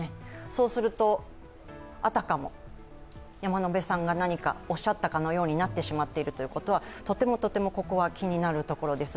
そうすると、あたかも山野辺さんが何かおっしゃったかのようになってしまっているということはとてもとても、ここは気になるところです。